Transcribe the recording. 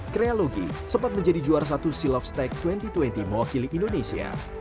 krealogy sempat menjadi juara satu seal of stack dua ribu dua puluh mewakili indonesia